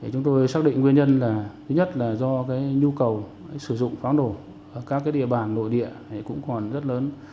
chúng tôi xác định nguyên nhân là thứ nhất là do nhu cầu sử dụng pháo nổ ở các địa bàn nội địa cũng còn rất lớn